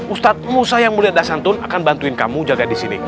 ustadz musa yang mulia dah santun akan bantuin kamu jaga di sini